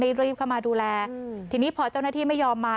ไม่อยู่กับมาดูแลทีนี้พอเจ้าหน้าที่ไม่ยอมมา